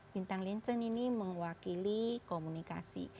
bintang lincen ini mengwakili komunikasi